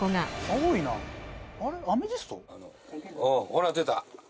ほら出た。